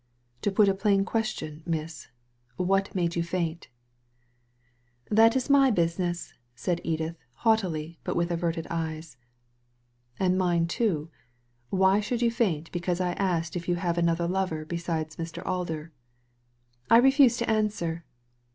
To put a plain question, miss, * What made you faint ?'" '*That is my business!" said Edith, haughtily, but with averted eyes. *And mine too. Why should you faint because I ask if you have another lover besides Mr. Alder?" " I refuse to answer